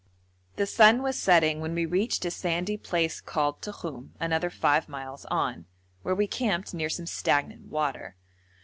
The sun was setting when we reached a sandy place called Tokhum (another 5 miles on), where we camped near some stagnant water.